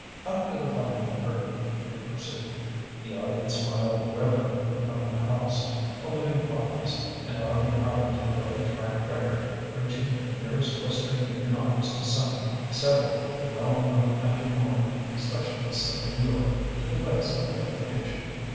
"After the final curtain," it pursued, "the audience filed reverently from the house, omitting flowers, and Arlie Arlington broke a track record reaching the nearest Western Union office to summon several well known ante mortem specialists of New York to the bedside of the patient.